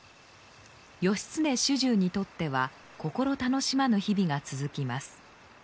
義経主従にとっては心楽しまぬ日々が続きます。